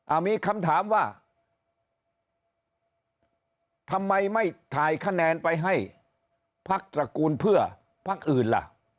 มีคำถามว่าทำไมไม่ถ่ายคะแนนไปให้พักตระกูลเพื่อพักอื่นล่ะ